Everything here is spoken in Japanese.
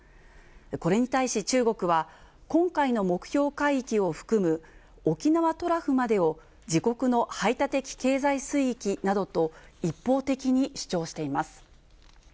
これに対し中国は、今回の目標海域を含む沖縄トラフまでを自国の排他的経済水域などと一方的に主張しています。